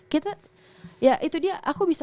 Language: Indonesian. kita ya itu dia aku bisa